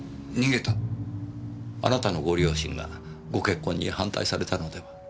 あなたのご両親がご結婚に反対されたのでは？